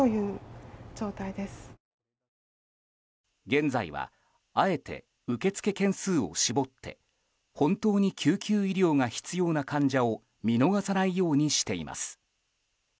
現在はあえて受け付け件数を絞って本当に救急医療が必要な患者を見逃さないようにしています。